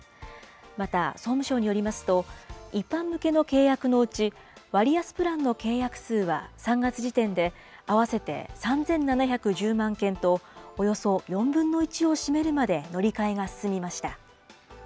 また、総務省によりますと、一般向けの契約のうち、割安プランの契約数は３月時点であわせて３７１０万件と、およそ４分の１を占めるまで乗り換えが進みました。